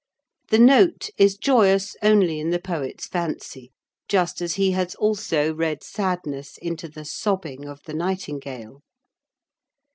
The note is joyous only in the poet's fancy, just as he has also read sadness into the "sobbing" of the nightingale.